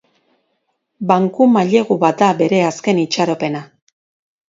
Banku mailegu bat da bere azken itxaropena.